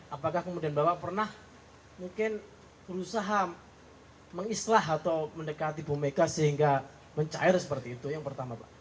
apakah kemudian bapak pernah mungkin berusaha mengislah atau mendekati bu mega sehingga mencair seperti itu yang pertama pak